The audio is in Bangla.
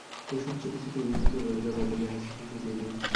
কুসুম চুপিচুপি বিন্দুকে বলিল, বড্ড যে হাসিখুশি দিদি?